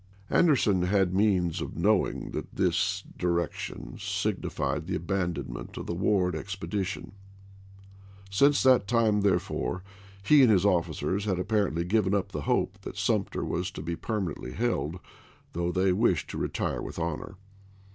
Anderson had means of knowing that this di rection signified the abandonment of the Ward expedition. Since that time, therefore, he and his officers had apparently given up the hope that Sumter was to be permanently held, though they wished to retire with honor.